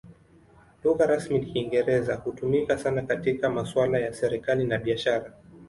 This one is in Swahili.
Lugha rasmi ni Kiingereza; hutumika sana katika masuala ya serikali na biashara.